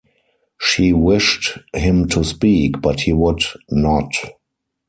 She wished him to speak, but he would not.